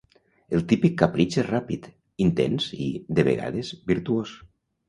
El típic capritx és ràpid, intens i, de vegades, virtuós.